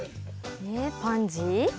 えパンジー？